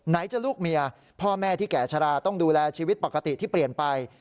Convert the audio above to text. จะลูกเมียพ่อแม่ที่แก่ชะลาต้องดูแลชีวิตปกติที่เปลี่ยนไป